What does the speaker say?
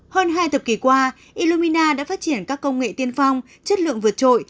hơn hai thập kỷ qua ilomina đã phát triển các công nghệ tiên phong chất lượng vượt trội